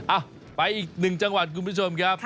อ่ะไปอีกหนึ่งจังหวัดคุณผู้ชมครับ